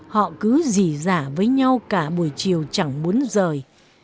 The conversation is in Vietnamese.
họ cứ gì giả với nhau cả buổi chiều chẳng muốn rời